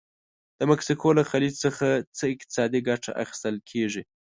د مکسیکو له خلیج څخه څه اقتصادي ګټه اخیستل کیږي؟